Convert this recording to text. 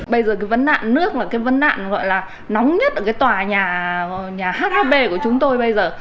bây giờ cái vấn đạn nước là cái vấn đạn gọi là nóng nhất ở cái tòa nhà hhb của chúng tôi bây giờ